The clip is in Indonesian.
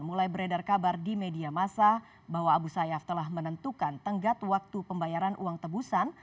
mulai beredar kabar di media masa bahwa abu sayyaf telah menentukan tenggat waktu pembayaran uang tebusan